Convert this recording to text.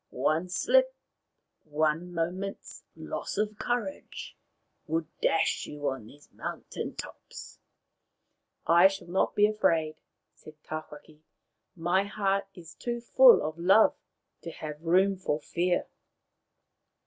" One slip, one moment's loss of courage, would dash you on these mountain tops." " I shall not be afraid," said Tawhaki. " My heart is too full of love to have room for fear."